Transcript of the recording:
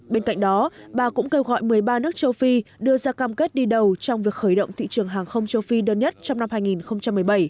bên cạnh đó bà cũng kêu gọi một mươi ba nước châu phi đưa ra cam kết đi đầu trong việc khởi động thị trường hàng không châu phi đơn nhất trong năm hai nghìn một mươi bảy